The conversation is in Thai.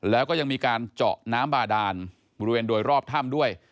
แล้วก็ยังมีการเจาะน้ำบาดานบริเวณโดยรอบถ้ำด้วย